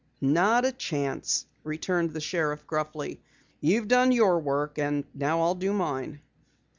"Not a chance," returned the sheriff gruffly. "You've done your work, and now I'll do mine."